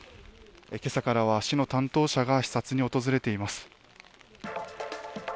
今朝からは市の担当者が視察に訪れています。